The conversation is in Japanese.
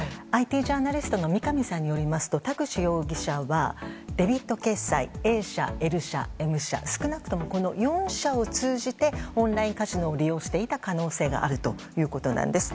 ＩＴジャーナリストの三上さんによりますと田口容疑者は、デビット決済Ａ社、Ｌ社、Ｍ社。少なくともこの４社を通じてオンラインカジノを利用していた可能性があるということです。